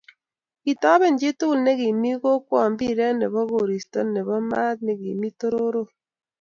kitoben chi tugul nekimi kokwo mpiret nebo koristo nebo maat nekimii tororot